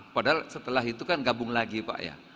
padahal setelah itu kan gabung lagi pak ya